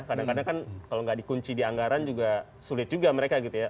kadang kadang kan kalau nggak dikunci di anggaran juga sulit juga mereka gitu ya